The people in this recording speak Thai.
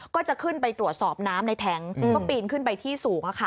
ก็จะขึ้นไปตรวจสอบน้ำในแท้งก็ปีนขึ้นไปที่สูง